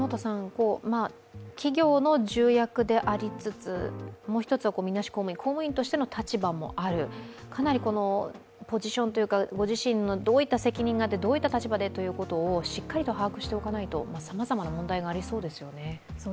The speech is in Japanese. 企業の重役でありつつもう一つは見なし公務員、公務員としての立場もある、かなりポジションというか御自身のどういった責任があってどういった立場でということをしっかりと把握しておかないとさまざまな問題がありそうですね。